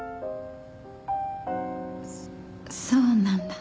そっそうなんだ。